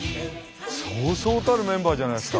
そうそうたるメンバーじゃないですか。